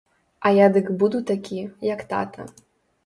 А я дык буду такі, як тата.